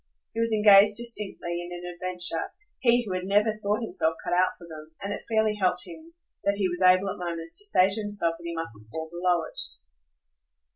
He was engaged distinctly in an adventure he who had never thought himself cut out for them, and it fairly helped him that he was able at moments to say to himself that he mustn't fall below it.